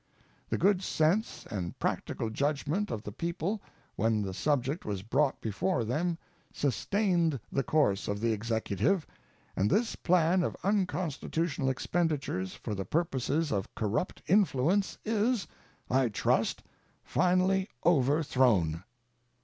The good sense and practical judgment of the people when the subject was brought before them sustained the course of the Executive, and this plan of unconstitutional expenditures for the purposes of corrupt influence is, I trust, finally overthrown.